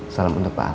salam untuk pak al